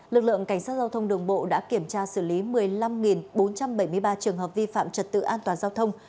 lực lượng cảnh sát giao thông đường bộ đã kiểm tra xử lý một mươi năm bốn trăm bảy mươi ba trường hợp vi phạm trật tự an toàn giao thông